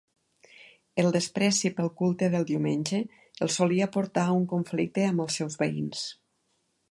El despreci pel culte del diumenge els solia portar a un conflicte amb els seus veïns.